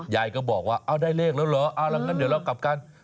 ยายก็บอกว่าเอาได้เลขแล้วเหรอเอาละงั้นเดี๋ยวเรากลับกัน